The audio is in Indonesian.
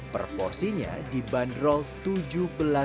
per porsinya dibanderol tujuh belas rupiah